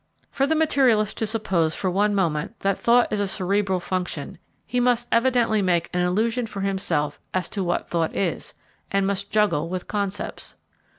For the materialist to suppose for one moment that thought is a cerebral function, he must evidently make an illusion for himself as to what thought is, and must juggle with concepts.